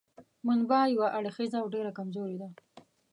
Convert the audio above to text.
منبع یو اړخیزه او ډېره کمزورې ده.